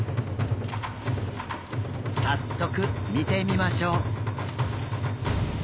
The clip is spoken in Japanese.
早速見てみましょう。